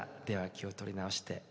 では気を取り直して。